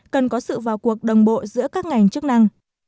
cần có sự vào cuộc đồng bộ giữa các ngành chức năng